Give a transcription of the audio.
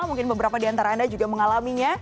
mungkin beberapa di antara anda juga mengalaminya